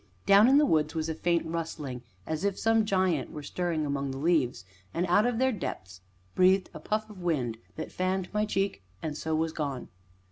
Down in the woods was a faint rustling, as if some giant were stirring among the leaves, and out of their depths breathed a puff of wind that fanned my cheek, and so was gone.